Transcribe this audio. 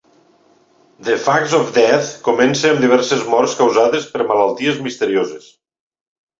"The Facts of Death" comença amb diverses morts causades per malalties misterioses.